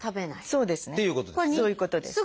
そういうことです。